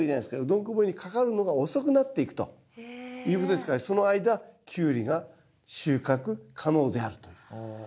どんこ病にかかるのが遅くなっていくということですからその間キュウリが収穫可能であると。